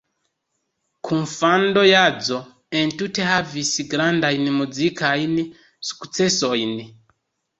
Kunfando-ĵazo entute havis grandajn muzikajn sukcesojn.